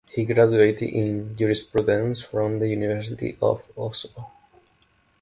He graduated in jurisprudence from the University of Oslo.